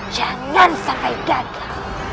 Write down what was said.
jangan sampai gagal